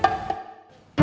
ate bisa menikah